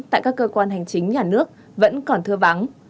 tại các cơ quan hành chính nhà nước vẫn còn thưa vắng